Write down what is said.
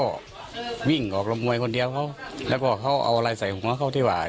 ก็วิ่งออกลำมวยคนเดียวเขาแล้วก็เขาเอาอะไรใส่หัวเขาที่ว่า